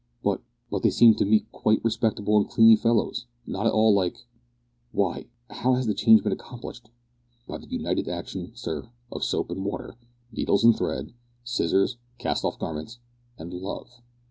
"But but they seem to me quite respectable and cleanly fellows, not at all like why, how has the change been accomplished?" "By the united action, sir, of soap and water, needles and thread, scissors, cast off garments, and Love."